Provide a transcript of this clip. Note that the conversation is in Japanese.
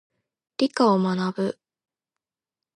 理科を学ぶ。